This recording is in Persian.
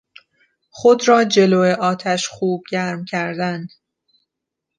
خود را جلو آتش خوب گرم کردن